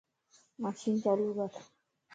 مشين چالو ڪر